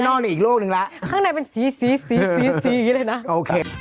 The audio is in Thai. เพราะว่าอยู่ข้างนอกในอีกโลกหนึ่งแล้ว